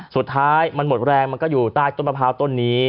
สุดท้ายมันหมดแรงมันก็อยู่ใต้ต้นมะพร้าวต้นนี้